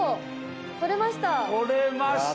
取れました。